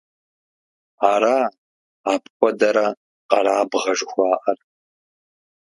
Ара, апхуэдэра къэрабгъэ жыхуаӀэр?